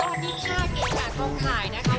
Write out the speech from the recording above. สวัสดีค่ะเก่งชาติกล้องถ่ายนะครับ